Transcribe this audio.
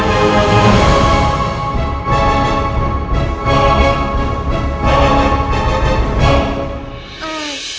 sudah tidak ada kali untuk menyewa kakak